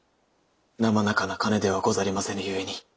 なまなかな金ではござりませぬゆえに。